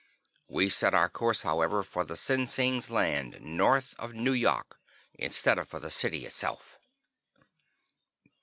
We set our course, however, for the Sinsings' land north of Nu yok, instead of for the city itself.